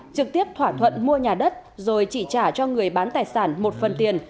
trực tiếp thỏa thuận mua nhà đất rồi chỉ trả cho người bán tài sản một phần tiền